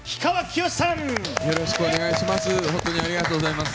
よろしくお願いします。